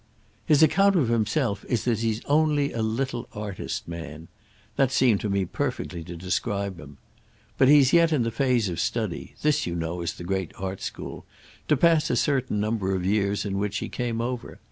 "His account of himself is that he's 'only a little artist man.' That seemed to me perfectly to describe him. But he's yet in the phase of study; this, you know, is the great art school—to pass a certain number of years in which he came over.